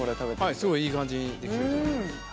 はいすごいいい感じにできてると思います。